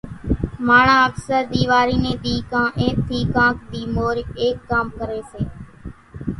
ماڻۿان اڪثر ۮيواري ني ۮي ڪان اين ٿي ڪانڪ ۮي مور ايڪ ڪام ڪري سي،